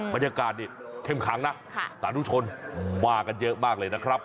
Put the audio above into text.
บรรยากาศนี่เข้มขังนะสาธุชนมากันเยอะมากเลยนะครับ